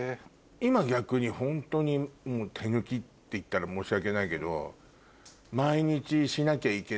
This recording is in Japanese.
今逆にホントに手抜きって言ったら申し訳ないけど。